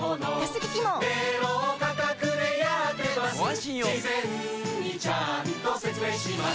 事前にちゃんと説明します